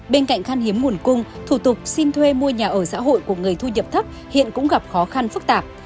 bên cạnh khăn hiếm nguồn cung thủ tục xin thuê mua nhà ở xã hội của người thu nhập thấp hiện cũng gặp khó khăn phức tạp